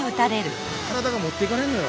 体が持ってかれんのよ。